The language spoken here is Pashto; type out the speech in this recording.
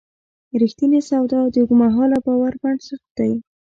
رښتینې سودا د اوږدمهاله باور بنسټ دی.